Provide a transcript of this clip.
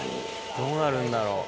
どうなるんだろう。